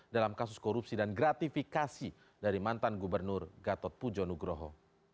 dalam kasus korupsi dan gratifikasi dari mantan gubernur gatot pujo nugroho